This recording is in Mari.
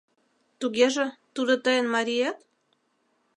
— Тугеже, тудо тыйын мариет?